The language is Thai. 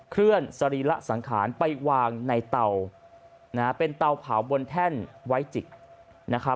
เคลื่อนสรีระสังขารไปวางในเต่าเป็นเต่าเผาบนแท่นไว้จิก